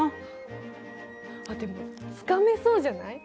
あっでもつかめそうじゃない？